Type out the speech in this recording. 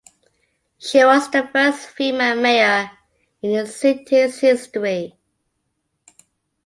She was the first female mayor in the city's history.